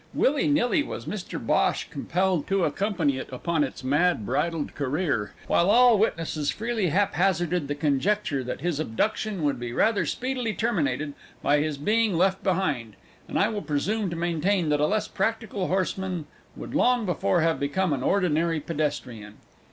Willy nilly was Mr Bhosh compelled to accompany it upon its mad, unbridled career, while all witnesses freely hazarded the conjecture that his abduction would be rather speedily terminated by his being left behind, and I will presume to maintain that a less practical horseman would long before have become an ordinary pedestrian.